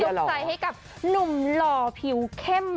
ที่ยกใจให้กับนุ่มหลอผิวเข้ม